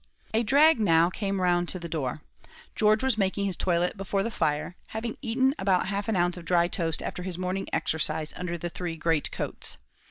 A drag now came round to the door. George was making his toilet before the fire, having eaten about half an ounce of dry toast after his morning exercise under the three great coats.